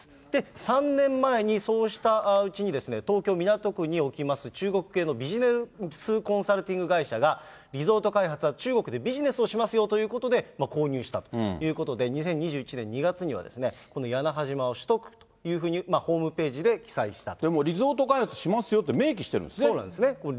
３年前にそうしたうちに、東京・港区におきます中国系のビジネスコンサルティング会社が、リゾート開発が中国でビジネスをしますよということで、購入したということで、２０２１年２月にはこの屋那覇島を取得というふうにホームページで記載したと。